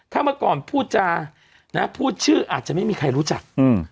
ถ้าเมื่อก่อนพูดจานะพูดชื่ออาจจะไม่มีใครรู้จัก